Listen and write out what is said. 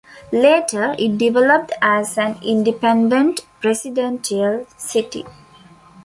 Later, it developed as an independent residential city.